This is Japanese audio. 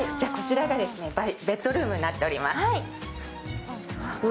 こちらがベッドルームになっております。